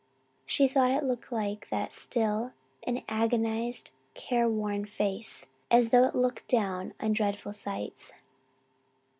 She thought it looked like that still an agonised, care worn face, as though it looked down on dreadful sights.